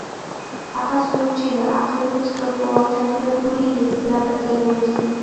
هغه څوک چې د عقل په سترګو واقعیتونه ګوري، هیڅکله به تیر نه وزي.